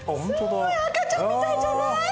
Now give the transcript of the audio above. すごい赤ちゃんみたいじゃない？